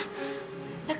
kalau dia mira